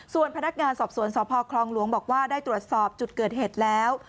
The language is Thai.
ส่วนพนักงานสอบสวนสพคลองหลวงบอกว่าได้ตรวจสอบจุดเกิดเหตุแล้ว